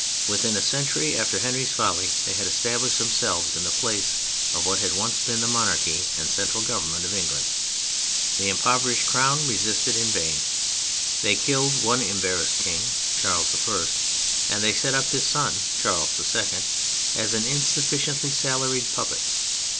Within a century after Henry's folly, they had established themselves in the place of what had once been the monarchy and central government of England. The impoverished Crown resisted in vain; they killed one embarrassed King—Charles I., and they set up his son, Charles II., as an insufficiently salaried puppet.